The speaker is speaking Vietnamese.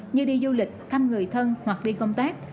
như đi du lịch thăm người thân hoặc đi công tác